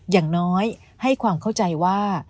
อย่างน้อยให้ความเข้าใจว่า